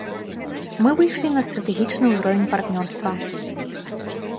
Мы выйшлі на стратэгічны ўзровень партнёрства.